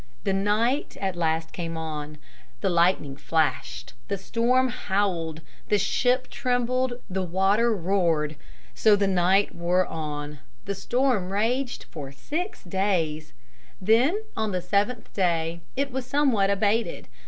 The night at last came on. The lightning flashed. The storm howled. The ship trembled. The water roared. So the night wore on. The storm raged for six days. Then on the seventh day it was somewhat abated.